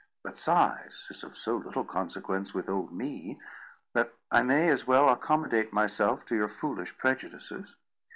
But size is of so little consequence with old me, that I may as well accommodate myself to your foolish prejudices."